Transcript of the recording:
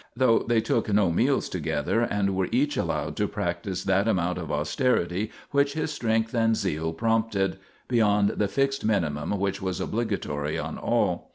though they took no meals together and were each allowed to practise that amount of austerity which his strength and zeal prompted beyond the fixed minimum which was obligatory on all.